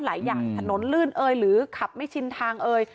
หลายอย่างถนนลื่นเอ่ยหรือขับไม่ชินทางเอ่ย